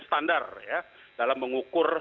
standar dalam mengukur